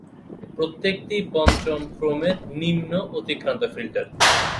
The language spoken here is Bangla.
প্রত্যেকটি পঞ্চম ক্রমের নিম্ন-অতিক্রান্ত ফিল্টার।